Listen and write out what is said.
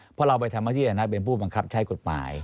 เพราะเราไปทำมาที่สนามมาเป็นผู้บังคับใช้กฎภาย